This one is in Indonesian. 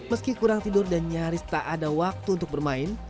meski kurang tidur dan nyaris tak ada waktu untuk bermain